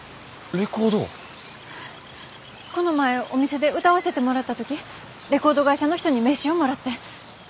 この前お店で歌わせてもらった時レコード会社の人に名刺をもらって。